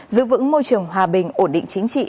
giữ vững môi trường hòa bình ổn định chính trị